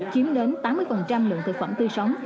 chiếm đến tám mươi lượng thực phẩm tươi sống